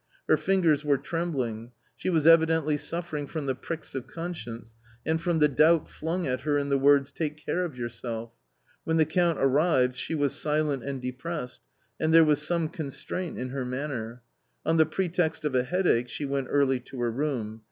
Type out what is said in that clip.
Her fingers weretrembling. She was evidently suffering from th&"prfeks o? conscience and from the doubt flung at her in the words " Take care of yourself." When the Count arrived, she was silent and depressed ; and there was some constraint in her manner. On the pretext of a headache she went early to her room.